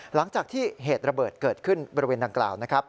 หลังจากที่เหตุระเบิดเกิดขึ้นบริเวณดังกล่าวนะครับ